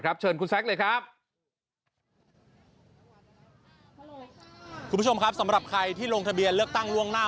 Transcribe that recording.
คุณผู้ชมครับสำหรับใครที่ลงทะเบียนเลือกตั้งล่วงหน้า